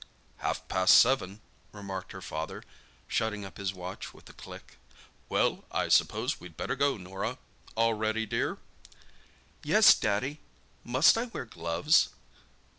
"Half past seven," remarked her father, shutting up his watch with a click. "Well, I suppose we'd better go, Norah. All ready, dear?" "Yes, Daddy. Must I wear gloves?"